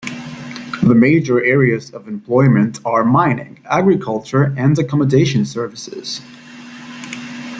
The major areas of employment are mining, agriculture and accommodation services.